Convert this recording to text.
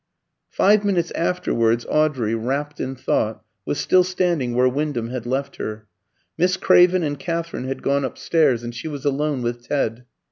Five minutes afterwards Audrey, wrapt in thought, was still standing where Wyndham had left her. Miss Craven and Katherine had gone upstairs, and she was alone with Ted.